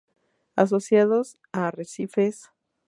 Asociados a arrecifes.